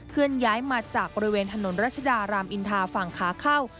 เลื่อนย้ายมาจากบริเวณถนนรัชดารามอินทาฝั่งขาเข้า